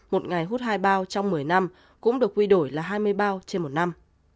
một ngày hút hai bao trong một mươi năm cũng được quy đổi là hai mươi bao trên một năm